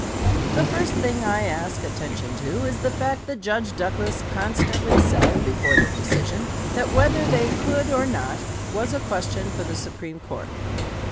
The first thing I ask attention to is the fact that Judge Douglas constantly said, before the decision, that whether they could or not, was a question for the Supreme Court.